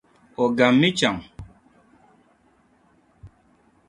O gammi chɛŋ.